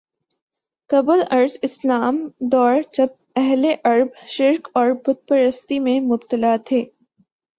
قبل از اسلام دور جب اہل عرب شرک اور بت پرستی میں مبتلا تھے